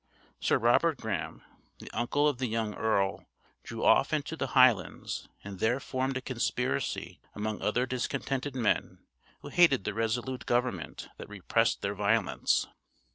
Sir Robert Graham, the uncle of the young earl, drew off into the Highlands, and there formed a conspiracy among other discontented men who hated the resolute government that repressed their violence.